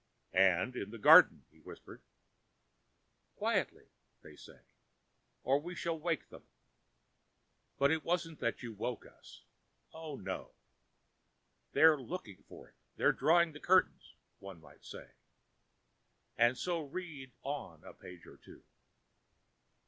"And in the garden," he whispered. "Quietly," they said, "or we shall wake them." But it wasn't that you woke us. Oh, no. "They're looking for it; they're drawing the curtain," one might say, and so read on a page or two.